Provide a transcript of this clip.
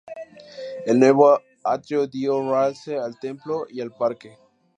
El nuevo atrio dio realce al templo y al parque.